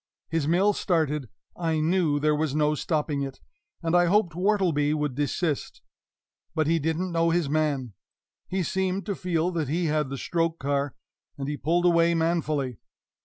His mill started, I knew there was no stopping it, and I hoped Wortleby would desist. But he didn't know his man. He seemed to feel that he had the stroke car, and he pulled away manfully.